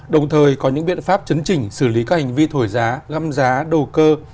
đồng thời có những biện pháp chấn chỉnh xử lý các hành vi thổi giá găm giá đầu cơ